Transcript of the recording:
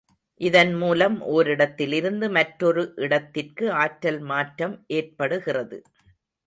இதன் மூலம் ஓரிடத்திலிருந்து மற்றொரு இடத்திற்கு ஆற்றல் மாற்றம் ஏற்படுகிறது.